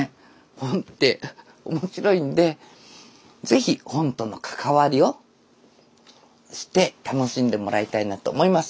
本って面白いんで是非本との関わりを知って楽しんでもらいたいなと思います。